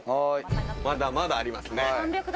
まだまだありますね。